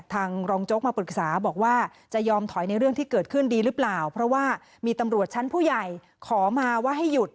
รองโจ๊กมาปรึกษาบอกว่าจะยอมถอยในเรื่องที่เกิดขึ้นดีหรือเปล่าเพราะว่ามีตำรวจชั้นผู้ใหญ่ขอมาว่าให้หยุด